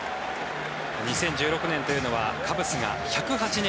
２０１６年というのはカブスが１０８年